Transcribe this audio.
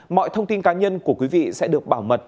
mọi thông tin cá nhân của quý vị sẽ được bảo mật